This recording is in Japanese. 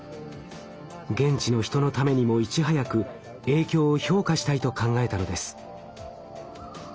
現地の人のためにもいち早く影響を評価したいと考えたのです。